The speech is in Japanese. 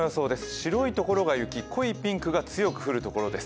白いところが雪、濃いピンクが強く降るところです。